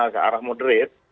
ke arah moderat